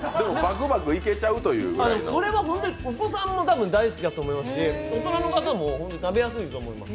これは本当に、お子さんも多分大好きだと思いますし、大人の方も食べやすいと思います。